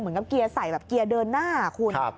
เหมือนกับเกียร์ใส่แบบเกียร์เดินหน้าคุณ